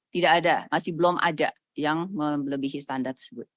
tidak ada masih belum ada yang melebihi standar tersebut